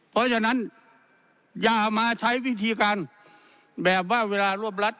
เพราะฉะนั้นอย่ามาใช้วิธีการแบบว่าเวลารวบรัด